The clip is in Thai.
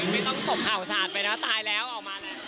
ไม่ต้องตบเข่าสาดไปแล้วตายแล้วออกมาเลย